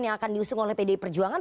yang akan diusung oleh pdi perjuangan